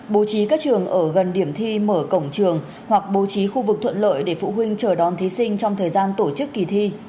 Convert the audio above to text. bố trí các trường ở gần điểm thi mở cổng trường hoặc bố trí khu vực thuận lợi để phụ huynh chờ đón thí sinh trong thời gian tổ chức kỳ thi